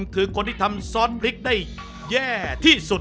คือคนที่ทำซอสพริกได้แย่ที่สุด